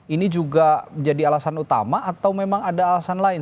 ini juga menjadi alasan utama atau memang ada alasan lain